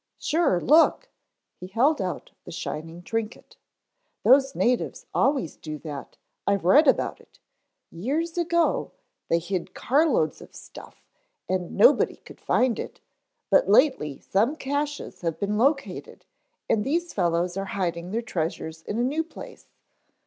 "Sure, look!" He held out the shining trinket. "Those natives always do that, I've read about it. Years ago they hid carloads of stuff and nobody could find it, but lately some caches have been located and these fellows are hiding their treasures in a new place.